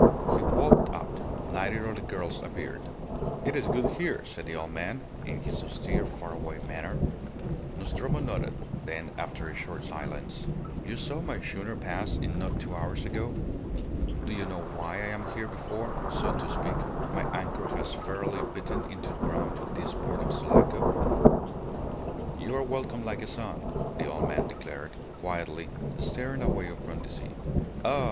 He walked up. Neither of the girls appeared. "It is good here," said the old man, in his austere, far away manner. Nostromo nodded; then, after a short silence "You saw my schooner pass in not two hours ago? Do you know why I am here before, so to speak, my anchor has fairly bitten into the ground of this port of Sulaco?" "You are welcome like a son," the old man declared, quietly, staring away upon the sea. "Ah!